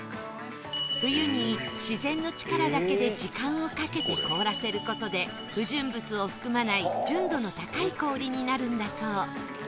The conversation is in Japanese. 冬に自然の力だけで時間をかけて凍らせる事で不純物を含まない純度の高い氷になるんだそう